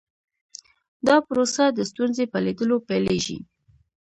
دا پروسه د ستونزې په لیدلو پیلیږي.